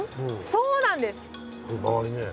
そうなんです。